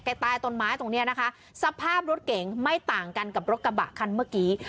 ใต้ต้นไม้ตรงเนี้ยนะคะสภาพรถเก๋งไม่ต่างกันกับรถกระบะคันเมื่อกี้